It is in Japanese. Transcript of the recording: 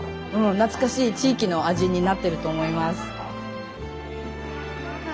懐かしい地域の味になってると思います。